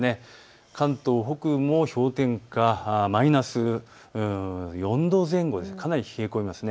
関東北部も氷点下、マイナス４度前後、かなり冷え込みます。